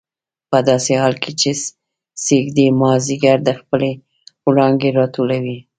په داسې حال کې چې ځېږدي مازدیګر خپلې وړانګې راټولولې.